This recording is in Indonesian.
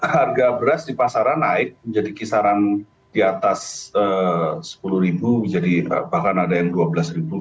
harga beras di pasaran naik menjadi kisaran di atas sepuluh ribu jadi bahkan ada yang dua belas ribu